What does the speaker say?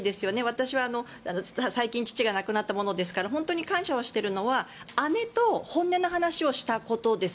私は最近父が亡くなったものですから本当に感謝をしているのは姉と本音の会話をしたことです。